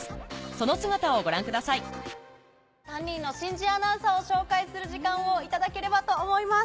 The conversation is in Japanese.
その姿をご覧ください３人の新人アナウンサーを紹介する時間を頂ければと思います。